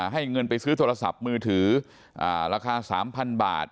ให้เงินไปซื้อโทรศัพท์มือถือราคา๓๐๐๐บาท